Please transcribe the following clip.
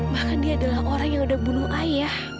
bahkan dia adalah orang yang udah bunuh ayah